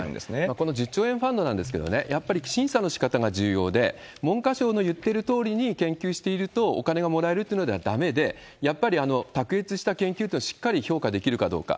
この１０兆円ファンドなんですけれどもね、やっぱり審査のしかたが重要で、文科省の言ってるとおりに研究しているとお金がもらえるっていうのではだめで、やっぱり卓越した研究というのをしっかり評価できるかどうか。